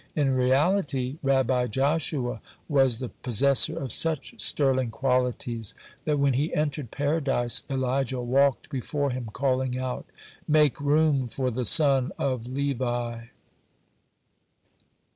(92) In reality Rabbi Joshua was the possessor of such sterling qualities, that when he entered Paradise Elijah walked before him calling out: "Make room for the son of Levi."